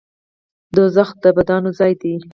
دوزخ د بدانو ځای دی